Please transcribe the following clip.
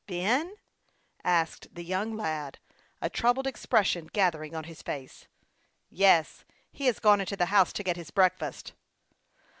" Ben ?" asked the young pilot, a troubled expres sion gathering on his face. " Yes ; he has gone into the house to get his breakfast."